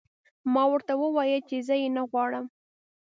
ما ورته وویل چې زه یې نه غواړم